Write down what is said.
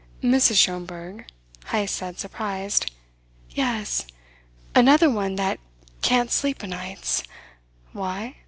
"Mrs. Schomberg," Heyst said, surprised. "Yes. Another one that can't sleep o' nights. Why?